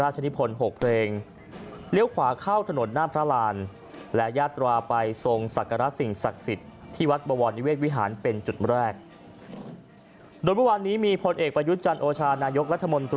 จากวงยุลิยางวงนำและวงตาม